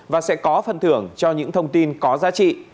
và sẽ có phần thưởng cho những thông tin có giá trị